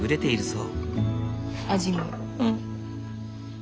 うん。